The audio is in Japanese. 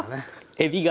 えびが？